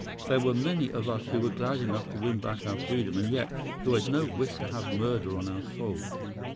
There were many of us who were glad enough to win back our freedom, and yet who had no wish to have murder on our souls.